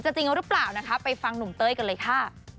จริงหรือเปล่านะคะไปฟังหนุ่มเต้ยกันเลยค่ะ